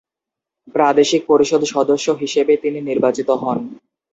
প্রাদেশিক পরিষদ সদস্য হিসেবে তিনি নির্বাচিত হন।